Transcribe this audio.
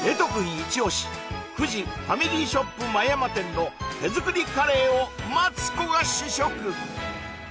イチオシフジファミリーショップ前山店の手作りカレーをマツコが試食！